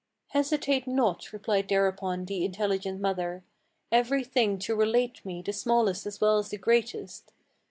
"Hesitate not," replied thereupon the intelligent mother, "Every thing to relate me, the smallest as well as the greatest.